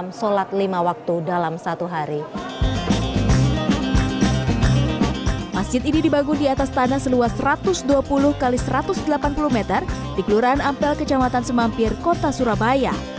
masjid ini dibangun di atas tanah seluas satu ratus dua puluh x satu ratus delapan puluh meter di kelurahan ampel kecamatan semampir kota surabaya